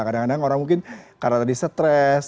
kadang kadang orang mungkin karena tadi stres